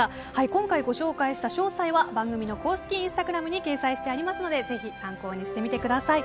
今回ご紹介した詳細は番組の公式インスタグラムに掲載してありますのでぜひ参考にしてみてください。